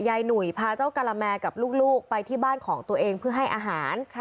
หนุ่ยพาเจ้ากะละแมกับลูกไปที่บ้านของตัวเองเพื่อให้อาหาร